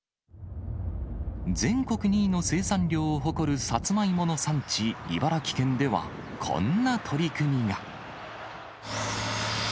全国２位の生産量を誇るサツマイモの産地、茨城県では、こんな取り組みが。